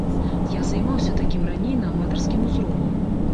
Я займаўся такім раней на аматарскім узроўні.